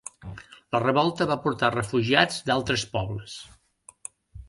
La revolta va portar refugiats d'altres pobles.